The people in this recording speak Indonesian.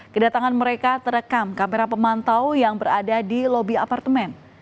kedatangan mereka terekam kamera pemantau yang berada di lobi apartemen